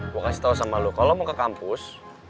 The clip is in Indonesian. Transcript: gua kasih tau sama lu kalo lu mau ke kampus